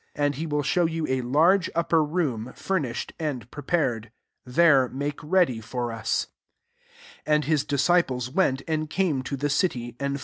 15 And he will show lyou a large upper room, ftir nished \and prepared :3 Iliet% make resudy for us^" 16 And his disciples went, andxame to the city, and!